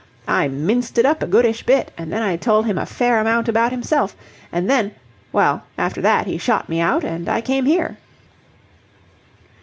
I minced it up a goodish bit, and then I told him a fair amount about himself. And then well, after that he shot me out, and I came here."